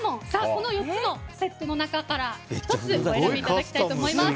この４つのセットの中から１つ、お選びいただきたいと思います。